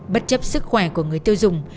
bất chấp sức khỏe của người tiêu dùng